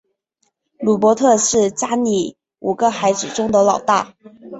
鲁伯特是家里五个孩子中的老大。